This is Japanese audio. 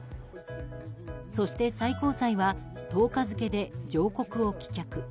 そして最高裁は１０日付で上告を棄却。